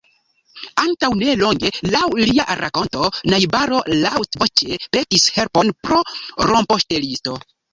Antaŭ nelonge, laŭ lia rakonto, najbaro laŭtvoĉe petis helpon pro rompoŝtelisto.